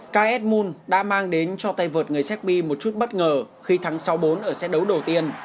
ks moon đã mang đến cho tay vượt người shekpi một chút bất ngờ khi thắng sáu bốn ở xét đấu đầu tiên